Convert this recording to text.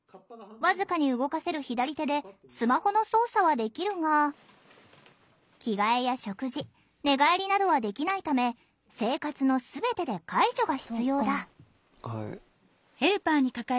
僅かに動かせる左手でスマホの操作はできるが着替えや食事寝返りなどはできないため生活の全てで介助が必要だ。